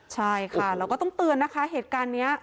ใช่ครับเราก็ต้องเตือนนะคะวัดแผลเหตุการณ์เนี่ย